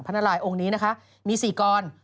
พระนารายย์องค์นี้มี๔กร